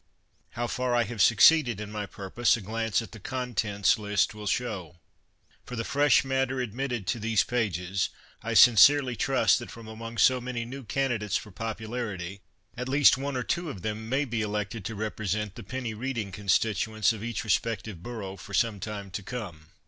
How far I have succeeded in my purpose a glance at the Contents list will show. For the fresh matter admitted to these pages, I sincerely trust that from among so many new candidates for popularity, at least one or two of them may be elected to represent the Penny Reading Constituents of each respective Borough for some time to come.